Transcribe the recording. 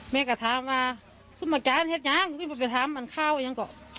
เมฆกันถามว่าสุ่มอาจารย์เฮ็ดยังวิ่งมาไปถามมันเข้ายังก็